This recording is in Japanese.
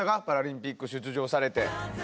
パラリンピック出場されて。